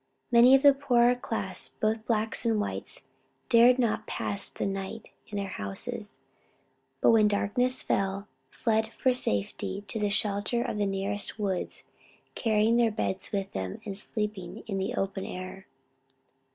Many of the poorer class, both blacks and whites, dared not pass the night in their houses, but when darkness fell, fled for safety to the shelter of the nearest woods, carrying their beds with them, and sleeping in the open air.